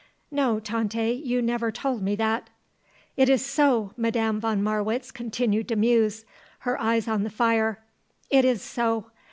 "No, Tante; you never told me that." "It is so," Madame von Marwitz continued to muse, her eyes on the fire, "It is so.